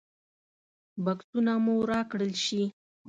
بکسونه مو راکړل شي.